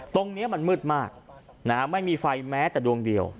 ตรงนี้มันมืดมากไม่มีไฟแม้แต่ดวงเดียว